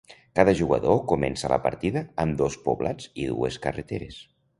Cada jugador comença la partida amb dos poblats i dues carreteres.